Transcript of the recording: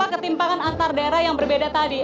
ketimpangan antar daerah yang berbeda tadi